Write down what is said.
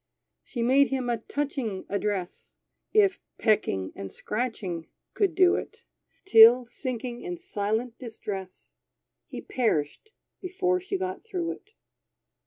She made him a touching address, If pecking and scratching could do it; Till sinking in silent distress, He perished before she got through it.